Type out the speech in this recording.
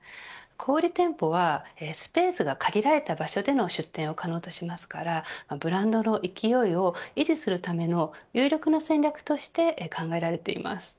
小売り店舗はスペースが限られた場所での出店が可能としますからブランドの勢いを維持するための有力な戦略として考えられています。